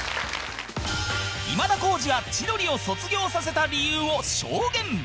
今田耕司が千鳥を卒業させた理由を証言